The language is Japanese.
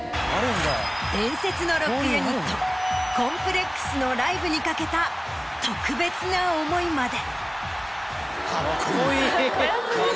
伝説のロックユニットＣＯＭＰＬＥＸのライブに懸けた特別な思いまで。